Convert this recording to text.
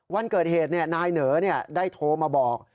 วันเกิดเหตุนายเหนอได้โทรมาบอก